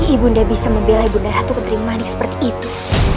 ibu nda bisa membelai ibu nda ratu ketrimani seperti itu